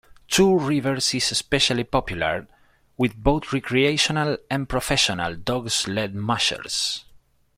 Two Rivers is especially popular with both recreational and professional dog sled mushers.